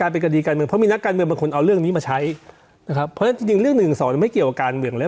เพราะฉะนั้นจริงเรื่อง๑๑๒ไม่เกี่ยวกับการเมืองเลย